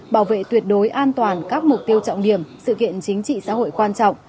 bảo vệ tuyệt đối an toàn các mục tiêu trọng điểm sự kiện chính trị xã hội quan trọng